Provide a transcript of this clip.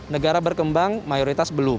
negara berkembang mayoritas belum